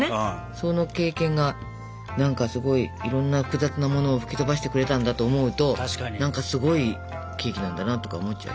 その経験が何かすごいいろんな複雑なものを吹き飛ばしてくれたんだと思うと何かすごいケーキなんだなとか思っちゃう。